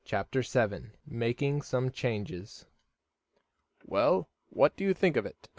CHAPTER VII MAKING SOME CHANGES "Well, what do you think of it?"